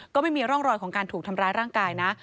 ก็ไม่มีร่องรอยของการถูกทำร้ายร่างกายนะ